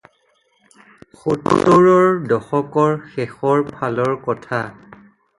সত্তৰৰ দশকৰ শেষৰ ফালৰ কথা।